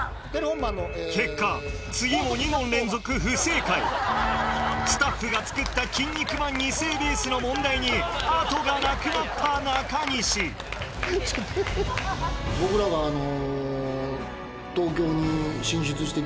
結果次を２問連続不正解スタッフが作った『キン肉マン世』ベースの問題に後がなくなった中西僕らがあの。